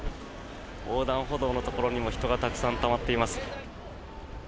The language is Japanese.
横断歩道のところにも人がたくさんたまっています。